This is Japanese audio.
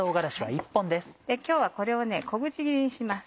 今日はこれを小口切りにします。